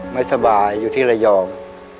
ไม่สบายอยู่ที่ระยอง